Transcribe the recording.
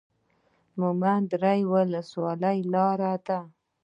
مومند درې ولسوالۍ لاره ده؟